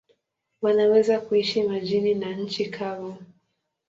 Wanaweza kuishi majini na nchi kavu.